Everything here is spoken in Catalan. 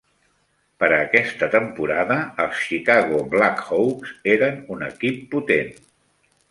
Per a aquesta temporada, els Chicago Blackhawks eren un equip potent.